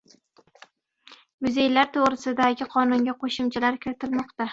“Muzeylar to‘g‘risida”gi Qonunga qo‘shimchalar kiritilmoqda